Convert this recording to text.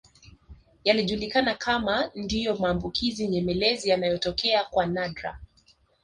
Yalijulikana kama ndio maambukizi nyemelezi yanayotokea kwa nadra